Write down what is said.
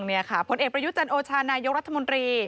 นี่ค่ะผลเอกประยุจันโอชานายกรัฐมนตรี